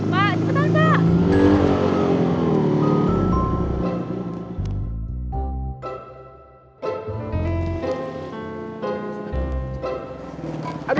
pak cepet aja pak